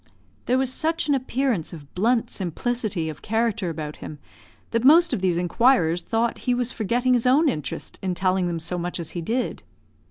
There was such an appearance of blunt simplicity of character about him, that most of these inquirers thought he was forgetting his own interest in telling them so much as he did.